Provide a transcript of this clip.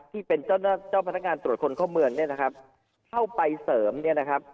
ที่เป็นเจ้าเจ้าพนักงานตรวจคนเข้าเมืองเนี่ยนะครับเข้าไปเสริมเนี่ยนะครับ